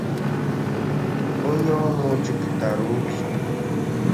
onye ọñụ jupụtàra obi